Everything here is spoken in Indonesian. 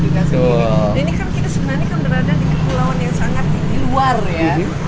dan ini kan kita sebenarnya kan berada di kepulauan yang sangat luar ya